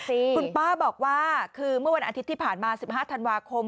คุณป้าบอกว่าคือเมื่อวันอาทิตย์ที่ผ่านมา๑๕ธันวาคม